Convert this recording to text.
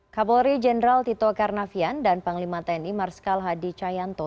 kapolri jenderal tito karnavian dan panglima tni marskal hadi cayanto